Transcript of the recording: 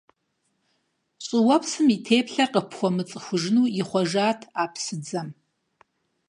ЩӀыуэпсым и теплъэр къыпхуэмыцӀыхужыну ихъуэжат а псыдзэм.